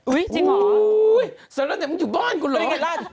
อุ๊ยจริงเหรอดรมันอยู่บ้านกูเหรอ